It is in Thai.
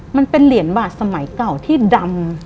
มันเป็นเหรียญบาทสมัยเก่าที่ดำ